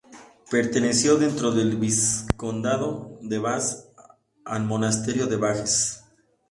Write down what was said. Perteneció dentro del vizcondado de Bas al monasterio de Bages.